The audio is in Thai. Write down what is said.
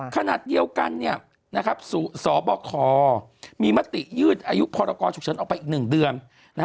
ขณะเดียวกันสบคมีมติยืดอายุพรกรฉุกเฉินออกไปอีก๑เดือน